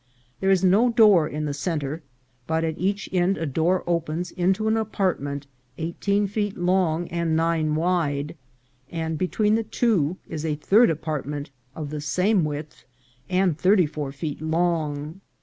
There is no door in the centre, but at each end a door opens into an apartment eighteen feet long and nine wide, and between the two is a third apartment of the same width, and thirty four feet long.